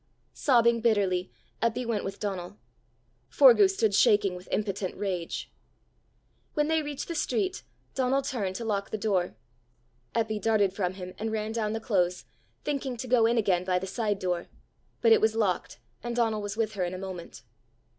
Sobbing bitterly, Eppy went with Donal. Forgue stood shaking with impotent rage. When they reached the street, Donal turned to lock the door. Eppy darted from him, and ran down the close, thinking to go in again by the side door. But it was locked, and Donal was with her in a moment.